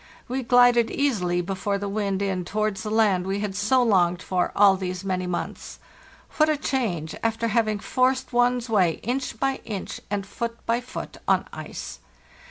We glided easily before the wind in towards the land we had so longed for all these many months. What a change, after having forced one's way inch by inch and foot by foot on ice!